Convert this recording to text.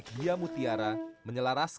pertama suara dari biasusu